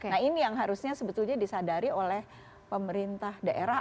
nah ini yang harusnya sebetulnya disadari oleh pemerintah daerah